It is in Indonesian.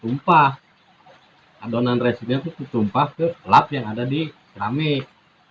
tumpah adonan resinnya ke lap yang ada di keramik